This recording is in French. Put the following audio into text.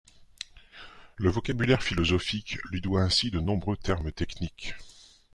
Le vocabulaire philosophique lui doit ainsi de nombreux termes techniques.